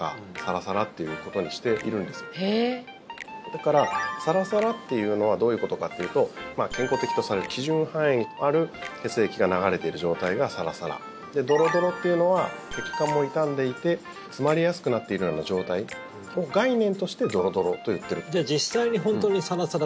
だからサラサラというのはどういうことかというと健康的とされる基準範囲にある血液が流れている状態がサラサラドロドロというのは血管も傷んでいて詰まりやすくなっているような状態を概念としてドロドロと言っているんです。